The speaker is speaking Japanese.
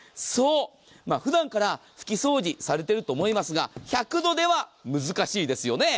普段から拭き掃除されていると思いますが１００度では難しいですよね。